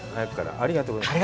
ありがとうございます。